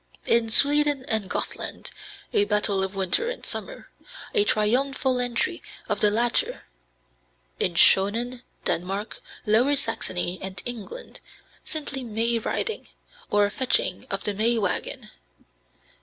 In Sweden and Gothland a battle of winter and summer, a triumphal entry of the latter. In Schonen, Denmark, Lower Saxony, and England, simply May riding, or fetching of the May wagon.